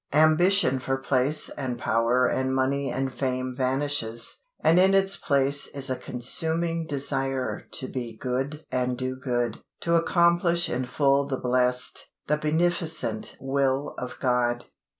Ambition for place and power and money and fame vanishes, and in its place is a consuming desire to be good and do good, to accomplish in full the blessed, the beneficent will of God.